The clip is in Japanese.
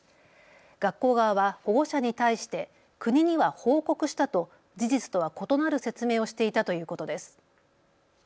学校側は保護者に対して国には報告したと事実とは異なる説明をしていたということです。